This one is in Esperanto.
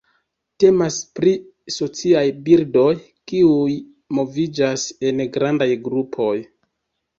Temas pri sociaj birdoj kiuj moviĝas en grandaj grupoj.